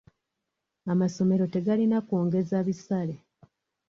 Amasomero tegalina kwongeza bisale.